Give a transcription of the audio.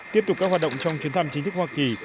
tiếp tục các hoạt động trong chuyến thăm chính thức hoa kỳ